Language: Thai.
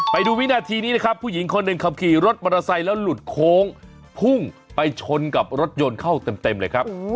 ไปดูวินาทีนี้นะครับผู้หญิงคนหนึ่งขับขี่รถมอเตอร์ไซค์แล้วหลุดโค้งพุ่งไปชนกับรถยนต์เข้าเต็มเลยครับ